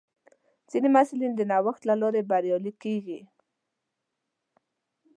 ځینې محصلین د نوښت له لارې بریالي کېږي.